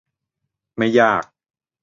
ไม่ยาก